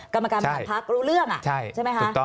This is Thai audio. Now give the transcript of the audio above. กรรมการบริหารพักรู้เรื่องใช่ไหมคะ